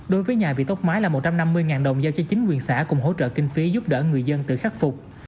đối với nhà bị tốc máy là một trăm năm mươi đồng giao cho chính quyền xã cùng hỗ trợ kinh phí giúp đỡ người dân tự khắc phục